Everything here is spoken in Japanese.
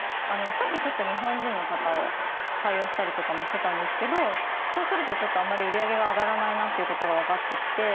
初期ちょっと日本人の方を採用したりとかもしてたんですけどそうするとあんまり売り上げが上がらないなという事がわかってきて。